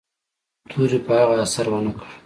تورې په هغه اثر و نه کړ.